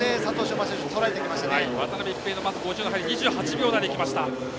馬選手とらえてきましたね。